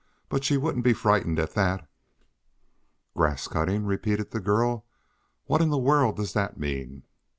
but she wouldn't be frightened at that." "Grass cutting?" repeated the girl. "What in the world does that mean?"